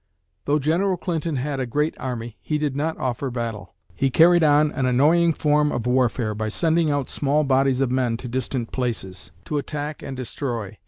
Though General Clinton had a great army, he did not offer battle. He carried on an annoying form of warfare by sending out small bodies of men to distant places, to attack and destroy.